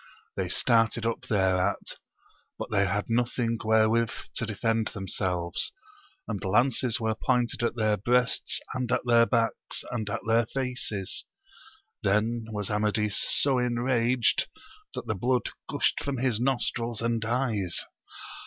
They started up thereat, but they had nothing whereint^ to defend themselves, and lances were pointed at their breasts and at their backs, and at their faces ; then was Amadis so enraged that the blood gushed from his nostrils and eyes.